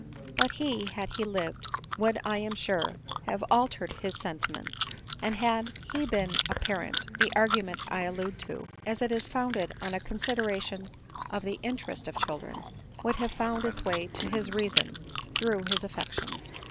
But Ae, had he lived, would I am sure, have altered his sentiments ; and had he been a parent, the argument I allude to, as it is founded on a consideration of the interest of children, would have found its way to his reason, through his affections.